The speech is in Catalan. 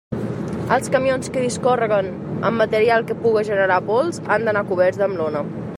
Els camions que discórreguen amb material que puga generar pols han d'anar coberts amb lona.